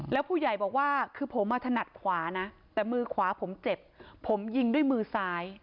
แล้วผู้ใหญ่บอกว่าคือผมมาถนัดขวานะแต่มือขวาผมเจ็บผมยิงด้วยมือซ้าย